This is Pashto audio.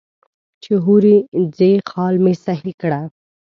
چې هورې ځې خال مې سهي کړه.